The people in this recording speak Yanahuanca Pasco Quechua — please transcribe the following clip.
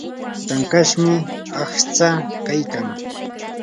tankashmi aqtsaa kaykan.